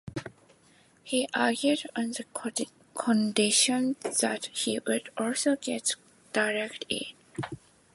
He agreed on the condition that he would also get to direct it.